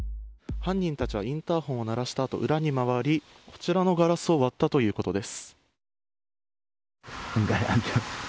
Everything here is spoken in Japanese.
犯人たちはインターホンを鳴らしたあと裏に回り、こちらのガラスを割ったということです。